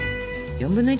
４分の１？